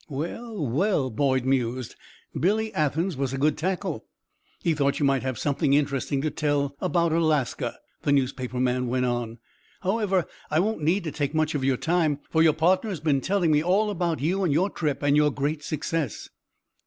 "Well, well!" Boyd mused. "Billy Athens was a good tackle." "He thought you might have something interesting to tell about Alaska," the newspaper man went on. "However, I won't need to take much of your time, for your partner has been telling me all about you and your trip and your great success."